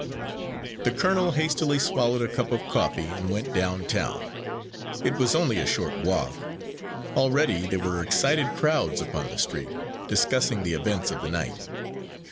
The colonel hastily swallowed a cup of coffee and went down town. It was only a short walk. Already there were excited crowds upon the street, discussing the events of the night.